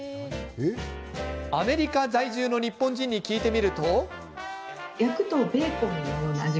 アメリカ在住の日本人に聞いてみると。